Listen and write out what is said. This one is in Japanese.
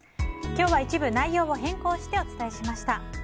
今日は一部、内容を変更してお伝えしました。